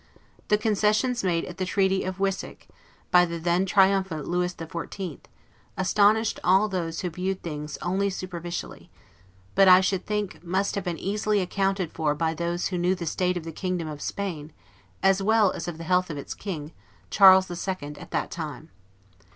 The concessions made at the Treaty of Ryswick, by the then triumphant Lewis the Fourteenth, astonished all those who viewed things only superficially; but, I should think, must have been easily accounted for by those who knew the state of the kingdom of Spain, as well as of the health of its King, Charles the Second, at that time.